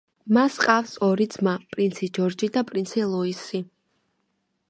მას ჰყავს ორი ძმა, პრინცი ჯორჯი და პრინცი ლუისი.